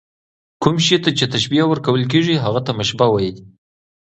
کوم شي ته چي تشبیه ورکول کېږي؛ هغه ته مشبه وايي.